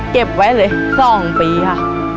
เก็บไว้เลย๒ปีค่ะ